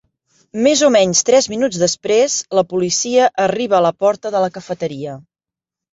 Més o menys tres minuts després, la policia arriba a la porta de la cafeteria.